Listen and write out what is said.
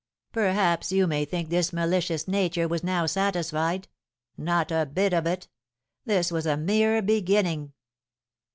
Perhaps you may think this malicious nature was now satisfied, not a bit of it! This was a mere beginning!